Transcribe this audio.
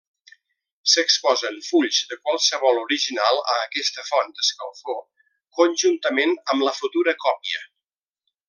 S'exposen fulls de qualsevol original a aquesta font d'escalfor conjuntament amb la futura còpia.